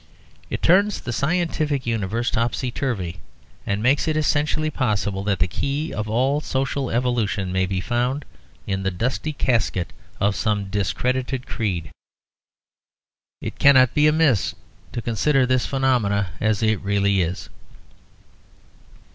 It turns the scientific universe topsy turvy, and makes it essentially possible that the key of all social evolution may be found in the dusty casket of some discredited creed. It cannot be amiss to consider this phenomenon as it realty is.